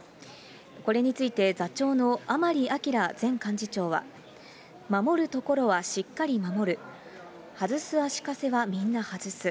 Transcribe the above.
これについて、座長の甘利明前幹事長は、守るところはしっかり守る、外す足かせはみんな外す。